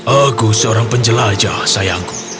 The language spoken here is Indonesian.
aku seorang penjelajah sayangku